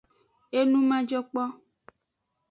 Enu majokpo.